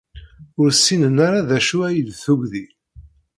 Ur ssinen ara d acu ay d tuggdi.